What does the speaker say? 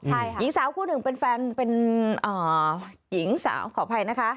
ใช่ค่ะหญิงสาวพูดถึงเป็นแฟนหญิงสาวขออภัยนะคะ